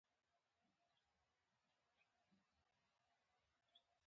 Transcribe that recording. نوموړي تر نکرومه وروسته په کال یو زر نهه سوه نهه شپېته واک واخیست.